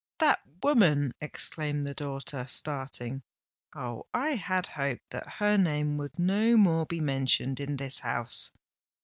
"That woman!" exclaimed the daughter, starting. "Oh! I had hoped that her name would no more be mentioned in this house."